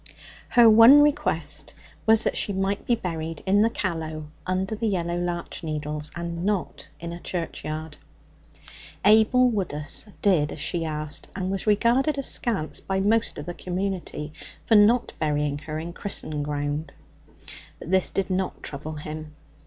Her one request was that she might be buried in the Callow under the yellow larch needles, and not in a churchyard. Abel Woodus did as she asked, and was regarded askance by most of the community for not burying her in Chrissen ground. But this did not trouble him.